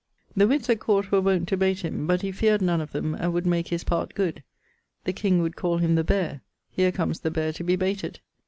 The witts at Court were wont to bayte him. But he feared none of them, and would make his part good. The king would call him _the beare_[CXIV.]: 'Here comes the beare to be bayted!'